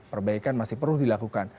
perbaikan masih perlu dilakukan